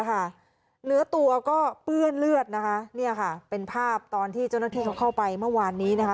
เหนือตัวก็เปื้อนเลือดเป็นภาพตอนที่เจ้าหน้าที่เข้าไปเมื่อวานนี้